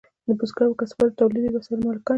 بزګر او کسبګر د تولیدي وسایلو مالکان دي.